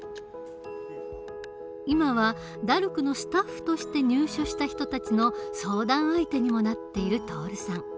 今はＤＡＲＣのスタッフとして入所した人たちの相談相手にもなっている徹さん。